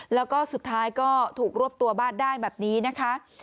แล้วก็สุดท้ายก็ถูกรวบตัวบ้านได้แบบนี้นะคะ